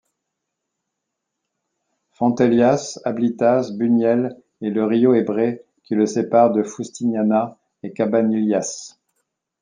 Fontellas, Ablitas, Buñuel et le río Ebre, qui le sépare de Fustiñana et Cabanillas.